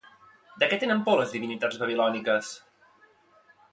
De què tenen por les divinitats babilòniques?